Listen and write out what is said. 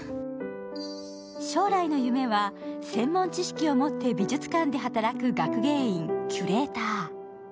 将来の夢は専門知識を持って美術館で働く学芸員・キュレーター。